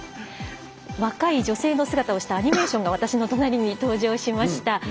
若い女性の姿をしたアニメーションが私の隣に登場しました。